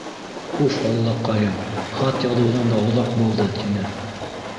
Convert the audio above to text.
— Уф аллаҡайым, хат яҙыуҙан да оҙаҡ булды, — тине.